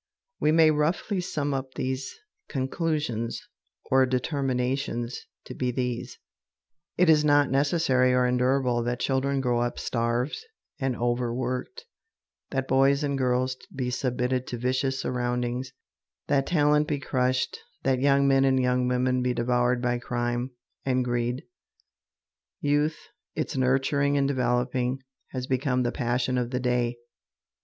We may roughly sum up these conclusions or determinations to be these: It is not necessary or endurable that children grow up starved and overworked, that boys and girls be submitted to vicious surroundings, that talent be crushed, that young men and young women be devoured by crime and greed. Youth, its nurturing and developing, has become the passion of the day.